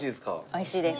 おいしいです。